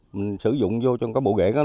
mình sử dụng vô trong cái bộ ghế của nó